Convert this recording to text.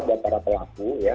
buat para pelaku ya